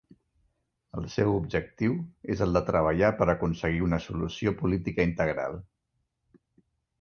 El seu objectiu és el de treballar per aconseguir una solució política integral.